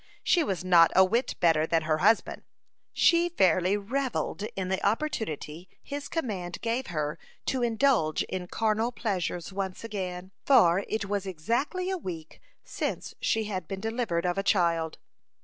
She was not a whit better than her husband. She fairly revelled in the opportunity his command gave her to indulge in carnal pleasures once again, for it was exactly a week since she had been delivered of a child.